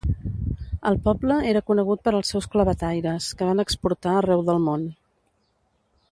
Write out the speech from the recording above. El poble era conegut per als seus clavetaires que van exportar arreu del món.